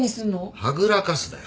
はぐらかすなよ。